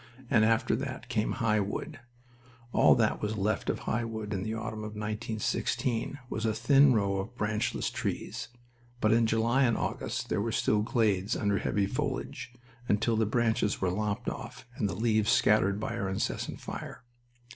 And after that came High Wood.. . All that was left of High Wood in the autumn of 1916 was a thin row of branchless trees, but in July and August there were still glades under heavy foliage, until the branches were lopped off and the leaves scattered by our incessant fire.